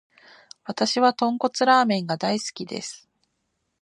わたしは豚骨ラーメンが大好きです。